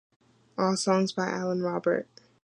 All songs by Alan Robert.